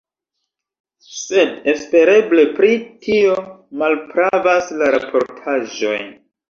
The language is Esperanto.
Sed espereble pri tio malpravas la raportaĵoj.